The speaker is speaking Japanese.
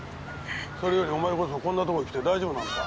それよりお前こそこんなとこへ来て大丈夫なのか？